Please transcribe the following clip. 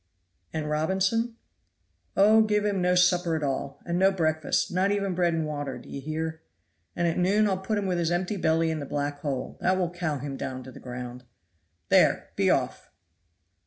"And Robinson?" "Oh, give him no supper at all and no breakfast not even bread and water, d'ye hear. And at noon I'll put him with his empty belly in the black hole that will cow him down to the ground there, be off!"